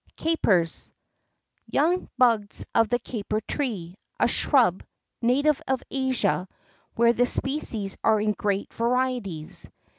CAPERS. Young buds of the caper tree, a shrub native of Asia, where the species are in great varieties.